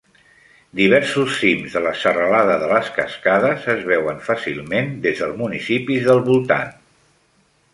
Diversos cims de la Serralada de les Cascades es veuen fàcilment des del municipis del voltant.